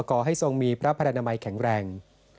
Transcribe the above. ่อให้ทรงมีพระพระนามัยแข็งแรง